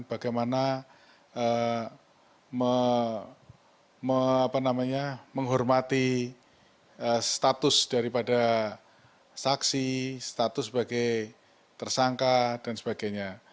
bagaimana menghormati status daripada saksi status sebagai tersangka dan sebagainya